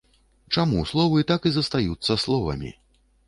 Чаму словы так і застаюцца словамі?